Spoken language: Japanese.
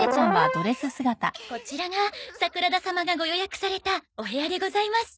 こちらが桜田様がご予約されたお部屋でございます。